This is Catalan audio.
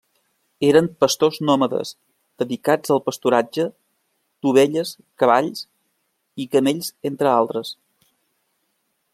Eren pastors nòmades dedicats al pasturatge d'ovelles, cavalls i camells entre altres.